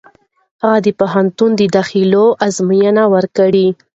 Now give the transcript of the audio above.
هغه د پوهنتون د داخلېدو ازموینه ورکړه.